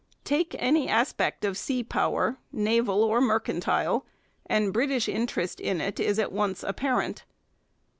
Take any aspect of sea power, naval or mercantile, and British interest in it is at once apparent.